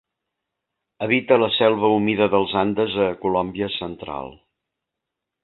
Habita la selva humida dels Andes, a Colòmbia central.